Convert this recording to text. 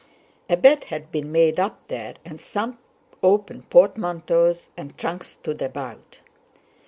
A bed had been made up there, and some open portmanteaus and trunks stood about.